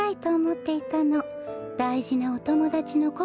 だいじなおともだちのこ